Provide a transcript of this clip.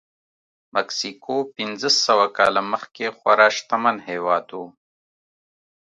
مکسیکو پنځه سوه کاله مخکې خورا شتمن هېواد و.